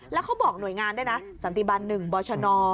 แล้วเขาบอกหน่วยงานสันติบัน๑โบชน